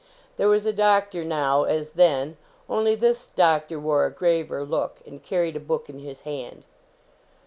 There was a doctor now, as then ; only this doctor wore a graver look, and carried a Book in his hand.